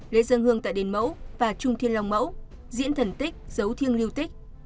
lễ dân hương tại đền mẫu và trung thiên long mẫu diễn thần tích giấu thiêng lưu tích